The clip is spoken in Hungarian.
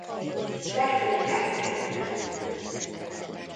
Legtöbbjük elszigetelődött.